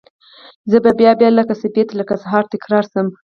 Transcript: زه به بیا، بیا لکه سپیدې لکه سهار، تکرار شم